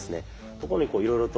ところにいろいろと。